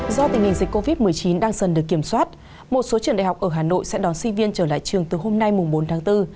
do tình hình dịch covid một mươi chín đang dần được kiểm soát một số trường đại học ở hà nội sẽ đón sinh viên trở lại trường từ hôm nay bốn tháng bốn